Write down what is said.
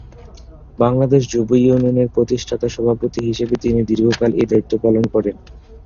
বাংলাদেশ যুব ইউনিয়নের প্রতিষ্ঠাতা সভাপতি হিসেবে তিনি দীর্ঘকাল এ দায়িত্ব পালন করেন।